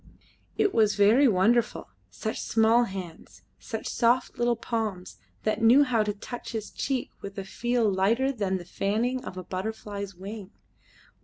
It was very wonderful such small hands, such soft little palms that knew how to touch his cheek with a feel lighter than the fanning of a butterfly's wing.